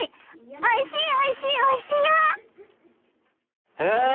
おいしいおいしいおいしいよ！へえ。